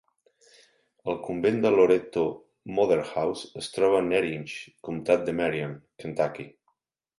El convent de Loretto Motherhouse es troba a Nerinx, comtat de Marion, Kentucky.